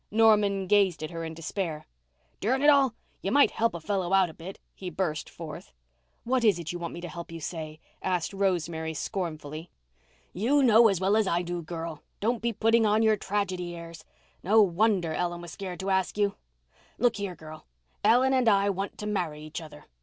Norman gazed at her in despair. "Durn it all, you might help a fellow out a bit," he burst forth. "What is it you want me to help you say?" asked Rosemary scornfully. "You know as well as I do, girl. Don't be putting on your tragedy airs. No wonder Ellen was scared to ask you. Look here, girl, Ellen and I want to marry each other.